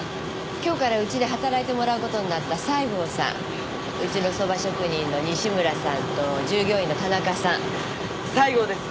今日からうちで働いてもらうことになった西郷さんうちのそば職人の西村さんと従業員の田中さん西郷です